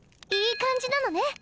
いい感じなのね？